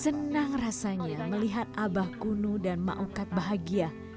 senang rasanya melihat abah kuno dan maukat bahagia